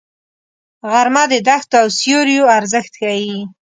غرمه د دښتو او سیوریو ارزښت ښيي